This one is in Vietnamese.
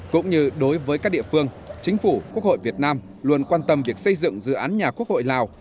cũng như đối với các địa phương chính phủ quốc hội việt nam luôn quan tâm việc xây dựng dự án nhà quốc hội lào